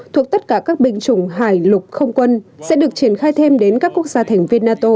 thuộc tất cả các binh chủng hải lục không quân sẽ được triển khai thêm đến các quốc gia thành viên nato